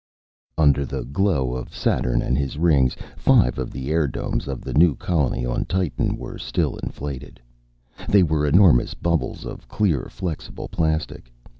_Under the glow of Saturn and his Rings, five of the airdomes of the new colony on Titan were still inflated. They were enormous bubbles of clear, flexible plastic.